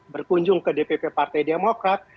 berkunjung ke dpp partai demokrat